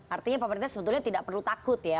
artinya pemerintah sebetulnya tidak perlu takut ya